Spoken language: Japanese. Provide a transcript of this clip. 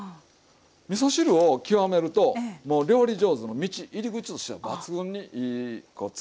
みそ汁を極めるともう料理上手の道入り口としては抜群にいい